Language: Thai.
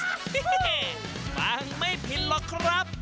ฮิ่เฮ่ฟังไม่ผิดหรอกครับ